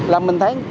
là mình thấy